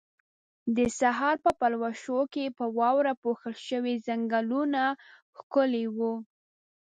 د سحر په پلوشو کې په واورو پوښل شوي ځنګلونه ښکلي وو.